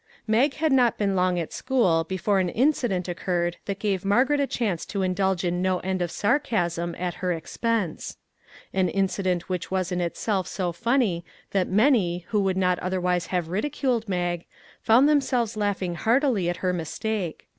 Mag had not been long at school before an in cident occurred that gave Margaret a chance to indulge in no end of sarcasm at her expense. An incident which was in itself so funny that many, who would not otherwise have ridiculed Mag, found themselves laughing heartily at her mistake.